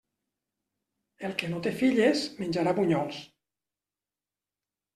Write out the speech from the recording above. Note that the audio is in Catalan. El que no té filles, menjarà bunyols.